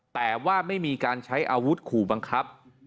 แต่ว่าไม่มีการใช้อาวุธขู่บังคับ